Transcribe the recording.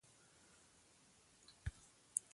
بزګان د افغانانو د ګټورتیا یوه برخه ده.